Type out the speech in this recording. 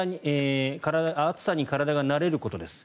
暑さに体が慣れることです。